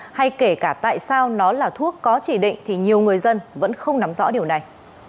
hay kể cả tại sao nó là thuốc có chỉ định thì nhiều người dân vẫn không nắm rõ điều này